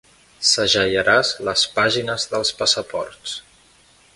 Segellaràs les pàgines dels passaports.